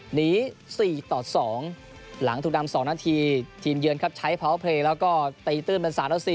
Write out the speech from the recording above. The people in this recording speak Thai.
หนี๔ต่อ๒หลังถูกดำ๒นาทีทีมเยือนครับใช้พาวเพลย์แล้วก็ตีตื้นเป็น๓ต่อ๔